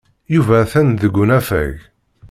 Yuba atan deg unafag.